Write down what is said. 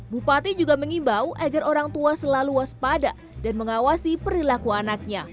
bupati juga mengimbau agar orang tua selalu waspada dan mengawasi perilaku anaknya